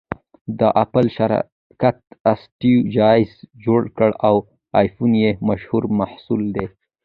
د اپل شرکت اسټیوجابز جوړ کړ٬ او ایفون یې مشهور محصول دی